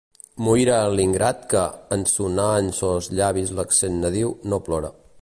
Muira l'ingrat que, en sonar en sos llavis l'accent nadiu, no plora.